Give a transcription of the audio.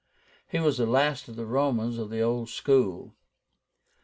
He was the last of the Romans of the old school.